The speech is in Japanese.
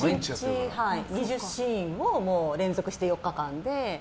１日２０シーンを連続して４日間で。